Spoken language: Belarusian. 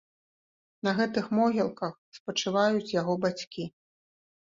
На гэтых могілках спачываюць яго бацькі.